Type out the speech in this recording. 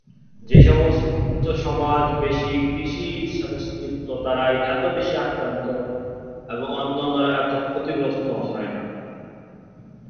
যেসমস্ত সমাজ বেশি কৃষির সাথে যুক্ত তারাই এতে বেশি আক্রান্ত এবং অন্যান্যরা এত ক্ষতিগ্রস্ত হয়না।